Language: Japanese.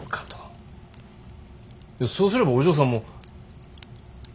そうすればお嬢さんも。